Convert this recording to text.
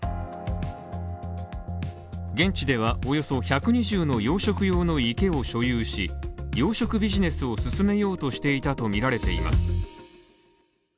現地では、およそ１２０の養殖用の池を所有し、養殖ビジネスを進めようとしていたとみられています。